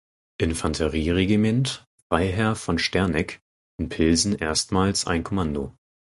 Infanterieregiment „Freiherr von Sterneck“ in Pilsen erstmals ein Kommando.